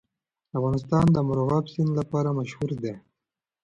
افغانستان د مورغاب سیند لپاره مشهور دی.